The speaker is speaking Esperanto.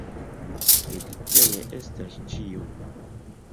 Sed tio ne estas ĉio!